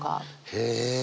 へえ。